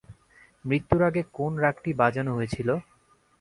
মৃত্যুর আগে কোন রাগটি বাজানো হয়েছিল?